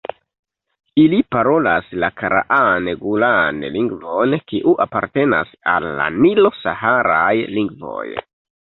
Ili parolas la karaan-gulaan lingvon kiu apartenas al la nilo-saharaj lingvoj.